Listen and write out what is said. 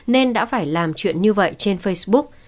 nên đã phải làm chuyện như vậy trên facebook